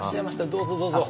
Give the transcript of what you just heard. どうぞどうぞ。